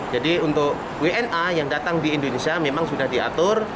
jadi untuk wna yang datang di indonesia memang sudah diatur